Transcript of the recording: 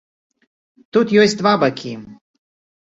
Тут ёсць два бакі.